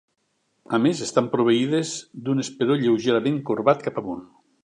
A més, estan proveïdes d'un esperó lleugerament corbat cap amunt.